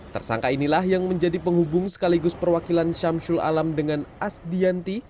tersangka inilah yang menjadi penghubung sekaligus perwakilan syamsul alam dengan asdianti